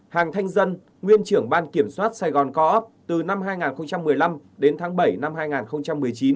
hàng thanh dân nguyên trưởng ban kiểm soát sài gòn co op từ năm hai nghìn một mươi năm đến tháng bảy năm hai nghìn một mươi chín